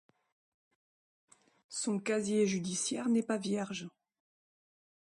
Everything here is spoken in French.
Son casier judiciaire n'est pas vierge.